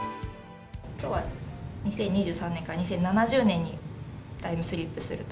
きょうは２０２３年から２０７０年にタイムスリップすると。